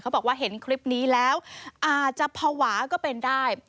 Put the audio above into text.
บอกว่าเห็นคลิปนี้แล้วอาจจะภาวะก็เป็นได้